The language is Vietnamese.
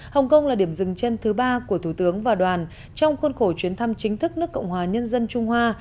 hồng kông là điểm dừng chân thứ ba của thủ tướng và đoàn trong khuôn khổ chuyến thăm chính thức nước cộng hòa nhân dân trung hoa